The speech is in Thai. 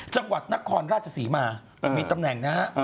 จังหวัดนครราชศรีมามีตำแหน่งนะฮะ